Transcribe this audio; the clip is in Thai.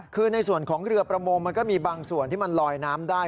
คือในส่วนของเรือประมงมันก็มีบางส่วนที่มันลอยน้ำได้